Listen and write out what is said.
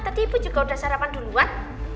tapi ibu juga udah sarapan duluan